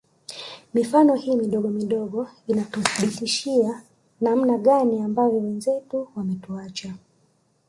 Mifano hii midogo midogo inatuthibitishia namna gani ambavyo wenzetu wametuacha